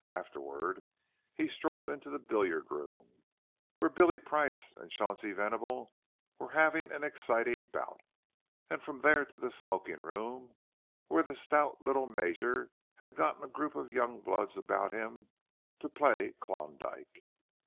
Afterward, he strolled into the billiard room, where Billy Price and Chauncey Venable were having an exciting bout; and from there to the smoking room, where the stout little Major had gotten a group of young bloods about him to play "Klondike."